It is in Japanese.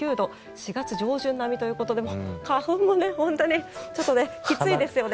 ４月上旬並みということで花粉も本当にちょっときついですよね。